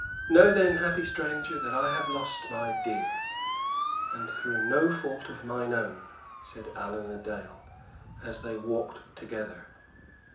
"Know then, happy stranger, that I have lost my dear, and through no fault of mine own," said Allan a Dale, as they walked together.